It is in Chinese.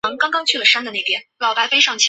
拉尼斯是德国图林根州的一个市镇。